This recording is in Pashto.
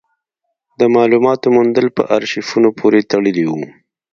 د مالوماتو موندل په ارشیفونو پورې تړلي وو.